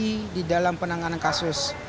terhadap saksi di dalam penanganan kasus